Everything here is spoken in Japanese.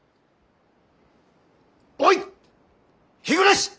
おい日暮！